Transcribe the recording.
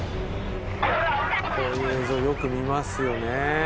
こういう映像よく見ますよね。